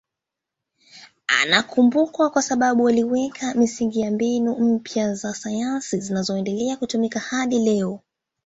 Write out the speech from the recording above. Anakumbukwa kwa sababu aliweka misingi ya mbinu mpya za sayansi zinazoendelea kutumika hadi leo.